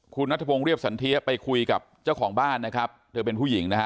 คุณนัทพงศ์เรียบสันเทียไปคุยกับเจ้าของบ้านนะครับเธอเป็นผู้หญิงนะฮะ